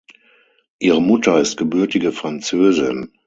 Ihre Mutter ist gebürtige Französin.